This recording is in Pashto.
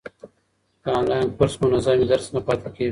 که انلاین کورس منظم وي، درس نه پاته کېږي.